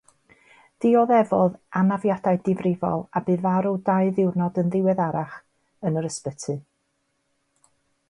Dioddefodd anafiadau difrifol a bu farw ddau ddiwrnod yn ddiweddarach yn yr ysbyty.